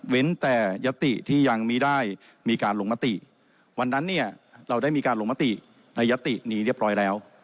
เว้นแต่ยติที่ยังมีการหลงมติวันนั้นเราได้มีการหลงมติในยตินี้เรียบร้อยแล้ว